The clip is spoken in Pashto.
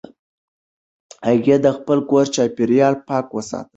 هغې د خپل کور چاپېریال پاک ساتي.